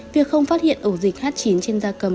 việc không phát hiện ổ dịch h chín trên da cầm